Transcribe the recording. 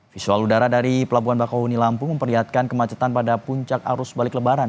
visual udara dari pelabuhan bakau huni lampung memperlihatkan kemacetan pada puncak arus balik lebaran